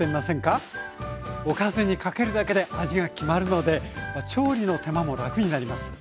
おかずにかけるだけで味が決まるので調理の手間も楽になります。